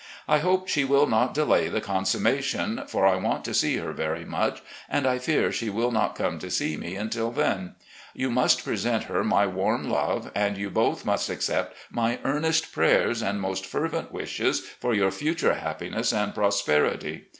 I hope she will not delay the con summation, for I want to see her very much, and I fear she will not come to see me imtil then. You must present her my warm love, and you both must accept my earnest 284 RECOLLECTIONS OF GENERAL LEE prayers and most fervent wishes for your future happiness and prosperity.